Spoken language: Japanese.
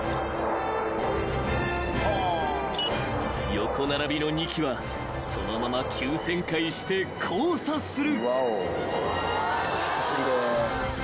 ［横並びの２機はそのまま急旋回して交差する］